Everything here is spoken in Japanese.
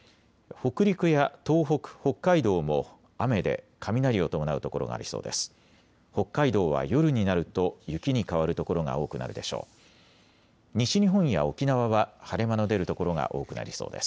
北陸や東北、北海道も雨で雷を伴う所がありそうです。